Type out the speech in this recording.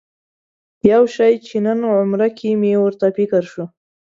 یو شي چې نن عمره کې مې ورته فکر شو.